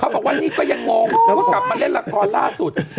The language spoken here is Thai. เค้าบอกว่านี่ก็ยังงงกลับมาเล่นละครล่าดสุด